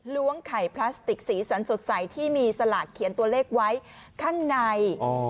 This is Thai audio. ล้วงไข่พลาสติกสีสันสดใสที่มีสลากเขียนตัวเลขไว้ข้างใน